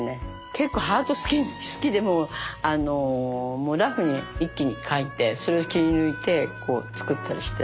結構ハート好きでもうラフに一気に描いてそれを切り抜いてこう作ったりして。